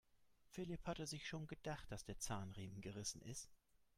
Philipp hatte sich schon gedacht, dass der Zahnriemen gerissen ist.